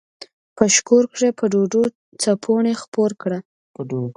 په شکور کښې په ډوډو څپُوڼے خپور کړه۔